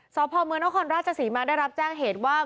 สวภาวะเมืองท่อคอนราชสีมาได้รับแจ้งเหตุว่า